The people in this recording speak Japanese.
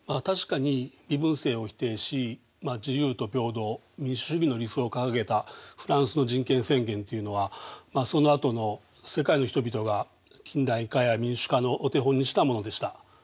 確かに身分制を否定し自由と平等民主主義の理想を掲げたフランスの人権宣言っていうのはそのあとの世界の人々が近代化や民主化のお手本にしたものでした。